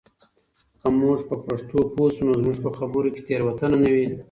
که موږ په پښتو پوه سو نو زموږ په خبرو کې تېروتنه نه وي.